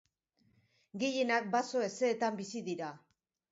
Gehienak baso hezeetan bizi dira.